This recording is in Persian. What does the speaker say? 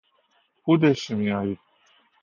کود شیمیایی